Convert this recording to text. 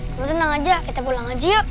kamu tenang aja kita pulang aja yuk